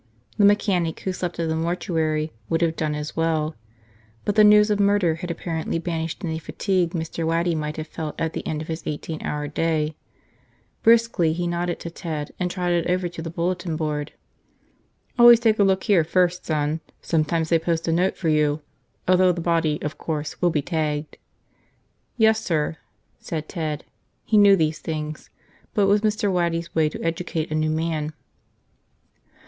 The mechanic who slept at the mortuary would have done as well. But the news of murder had apparently banished any fatigue Mr. Waddy might have felt at the end of his eighteen hour day. Briskly he nodded to Ted and trotted over to the bulletin board. "Always take a look here first, son. Sometimes they post a note for you. Although the body, of course, will be tagged." "Yes, sir," said Ted. He knew these things. But it was Mr. Waddy's way to educate a new man.